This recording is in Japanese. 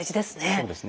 そうですね。